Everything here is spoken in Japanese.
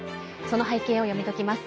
その背景を読み解きます。